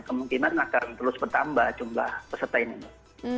kemungkinan akan terus bertambah jumlah peserta ini mbak